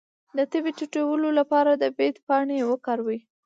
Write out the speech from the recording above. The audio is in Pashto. د تبې د ټیټولو لپاره د بید پاڼې وکاروئ